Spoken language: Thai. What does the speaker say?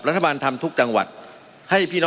มันมีมาต่อเนื่องมีเหตุการณ์ที่ไม่เคยเกิดขึ้น